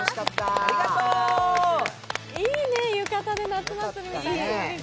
いいね、浴衣で夏祭りみたいな雰囲気。